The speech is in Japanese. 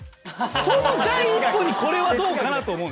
その第一歩にこれはどうかな？と思うんです。